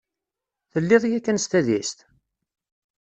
Telliḍ yakan s tadist?